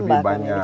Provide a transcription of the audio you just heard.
akan lebih banyak